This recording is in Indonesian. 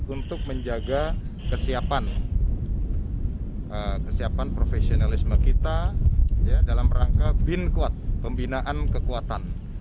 untuk menjaga kesiapan profesionalisme kita dalam rangka binkuat pembinaan kekuatan